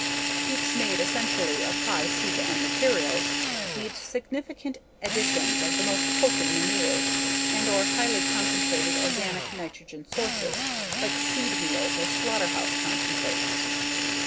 Heaps made essentially of high C/N materials need significant additions of the most potent manures and/or highly concentrated organic nitrogen sources like seed meals or slaughterhouse concentrates.